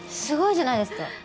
すごいじゃないですか。